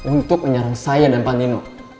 untuk menyerang saya dan panino